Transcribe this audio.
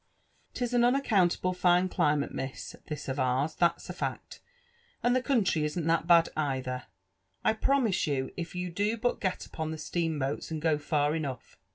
*' 'Tis an unaccountable fine climate, miss, this of ours, that's a fact; and the country isn't that bad neitlier, I promise you, if you do but get upon the steam boats and go far enough.